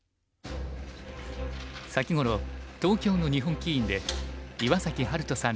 先頃東京の日本棋院で岩崎晴都さん